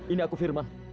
ini aku firman